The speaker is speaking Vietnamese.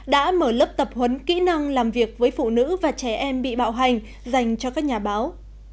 đã mở lớp tập huấn kỹ năng làm việc với phụ nữ và trẻ em bị bạo hành dành cho các nhà báo